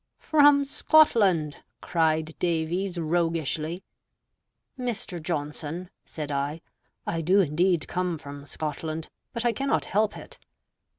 "From Scotland," cried Davies, roguishly. "Mr. Johnson" (said I), "I do indeed come from Scotland, but I cannot help it."